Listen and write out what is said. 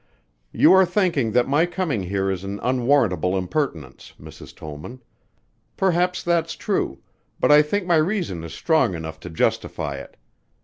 "You are thinking that my coming here is an unwarrantable impertinence, Mrs. Tollman. Perhaps that's true, but I think my reason is strong enough to justify it.